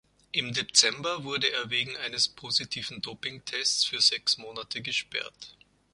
Im Dezember wurde er wegen eines positiven Dopingtests für sechs Monate gesperrt.